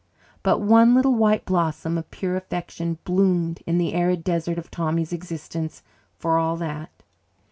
But one little white blossom of pure affection bloomed in the arid desert of Tommy's existence for all that.